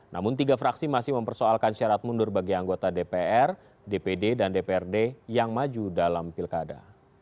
namun tiga fraksi masih mempersoalkan syarat mundur bagi anggota dpr dpd dan dprd yang maju dalam pilkada